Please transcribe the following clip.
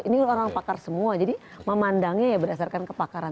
ini orang pakar semua jadi memandangnya ya berdasarkan kepakaran